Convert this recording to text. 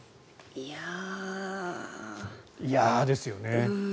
いやーですよね。